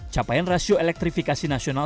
capaian rasio elektrifikasi nasional